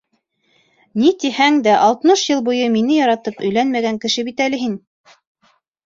Ни тиһәң дә, алтмыш йыл буйы мине яратып өйләнмәгән кеше бит әле һин!